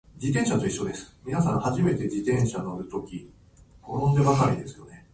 俺がお前を一生守ってやるよ